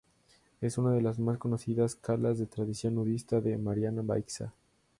Es una de las más conocidas calas de tradición nudista de la Marina Baixa.